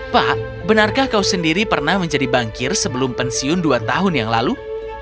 pak benarkah kau sendiri pernah menjadi bankir sebelum pensiun dua tahun yang lalu